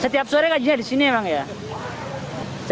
setiap sore ngajinya di sini emang ya